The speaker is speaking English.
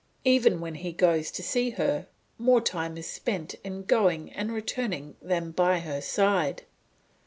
Even when he goes to see her, more time is spent in going and returning than by her side.